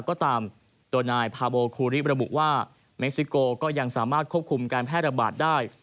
ก็ตามโดยนายพาโบคูริระบุว่าเม็กซิโกก็ยังสามารถควบคุมการแพร่ระบาดได้